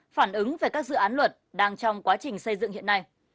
phản ứng về các dự án luật đang trong quá trình xây dựng hiện nay